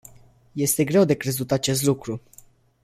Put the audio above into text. Este greu de crezut acest lucru.